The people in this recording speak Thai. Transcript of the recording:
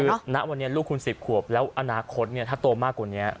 คือณวันนี้ลูกคุณ๑๐ขวบแล้วอนาคตถ้าโตมากกว่านี้